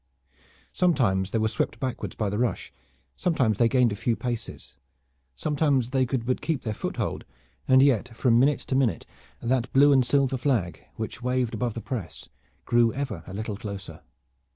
Sometimes they were swept backward by the rush, sometimes they gained a few paces, sometimes they could but keep their foothold, and yet from minute to minute that blue and silver flag which waved above the press grew ever a little closer.